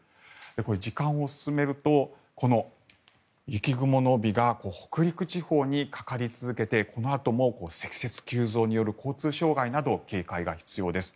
時間を進めるとこの雪雲の帯が北陸地方にかかり続けてこのあとも積雪急増による交通障害など警戒が必要です。